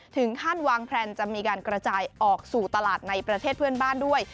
ถึงขั้นวางแพลนจะมีการกระจายออกสู่ตลาดในประเทศเพื่อนบ้านด้วย